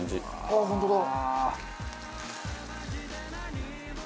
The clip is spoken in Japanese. ああ本当だ。